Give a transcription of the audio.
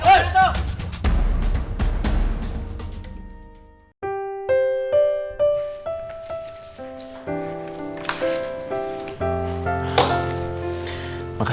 jalan jalan jalan